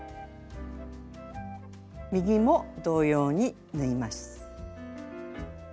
右も同様に縫います。